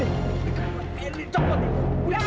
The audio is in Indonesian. ini kelima kali